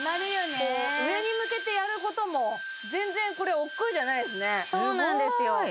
こう上に向けてやることも全然これおっくうじゃないですねそうなんですよ